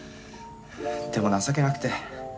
でも情けなくて。